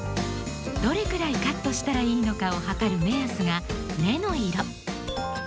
どれくらいカットしたらいいのかをはかる目安が根の色。